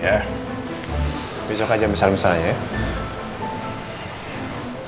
ya besok aja mesra mesra aja ya